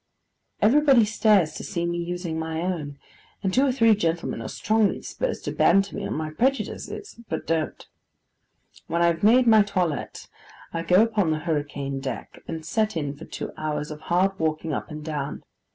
Everybody stares to see me using my own; and two or three gentlemen are strongly disposed to banter me on my prejudices, but don't. When I have made my toilet, I go upon the hurricane deck, and set in for two hours of hard walking up and down.